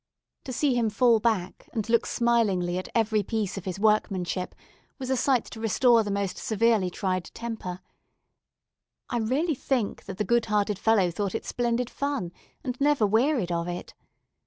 To see him fall back, and look smilingly at every piece of his workmanship, was a sight to restore the most severely tried temper. I really think that the good hearted fellow thought it splendid fun, and never wearied of it.